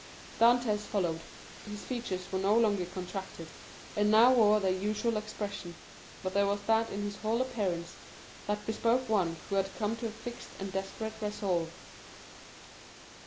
Dantès followed him; his features were no longer contracted, and now wore their usual expression, but there was that in his whole appearance that bespoke one who had come to a fixed and desperate resolve.